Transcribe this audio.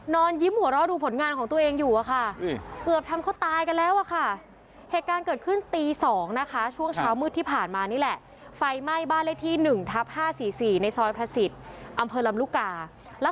นอนยิ้มหัวรอดูผลงานของตัวเองอยู่อะค่ะเกือบทำเขาตายกันแล้วอะค่ะ